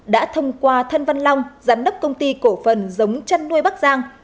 đã thông qua thân văn long giám đốc công ty cổ phần giống chăn nuôi bắc giang